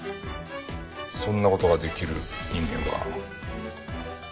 そんな事が出来る人間は。